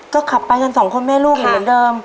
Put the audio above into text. ก็ขับไปกันสองคนแม่ลูกเหมือนเดิม